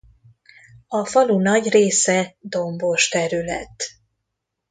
A falu nagy része dombos terület.